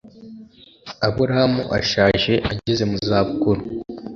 Aburahamu ashaje ageze muzabukuru